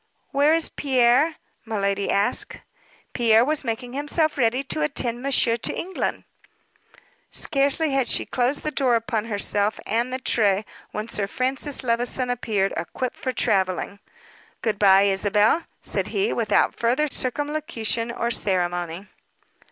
"Where is Pierre?" miladi asked. "Pierre was making himself ready to attend monsieur to England." Scarcely had she closed the door upon herself and the tray when Sir Francis Levison appeared, equipped for traveling. "Good bye, Isabel," said he, without further circumlocution or ceremony.